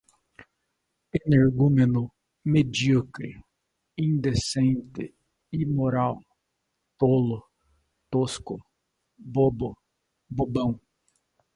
Energúmeno, medíocre, indecente, imoral, tolo, tosco, bobo, bobão